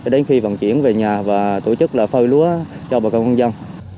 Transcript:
đến khi vận chuyển về nhà và tổ chức phơi lúa cho bà con dân